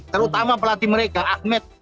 terutama pelatih mereka ahmed